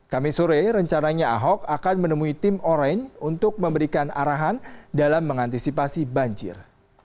kami sore rencananya ahok akan menemui tim orange untuk memberikan arahan dalam mengantisipasi banjir